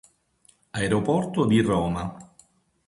Aeroporto di Roma